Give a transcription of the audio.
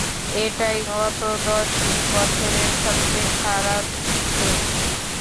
এটাই গত দশ বছরের সবচেয়ে খারাপ প্লেগ।